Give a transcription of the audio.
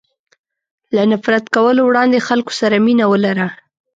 له نفرت کولو وړاندې خلکو سره مینه ولره.